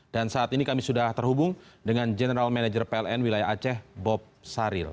dan saat ini kami sudah terhubung dengan general manager pln wilayah aceh bob saril